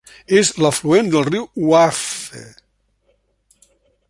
És afluent del riu Wharfe.